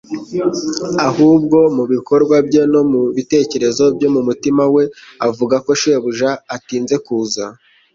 ahubwo mu bikorwa bye no mu bitekerezo byo mu mutima we avuga ko shebuja atinze kuza.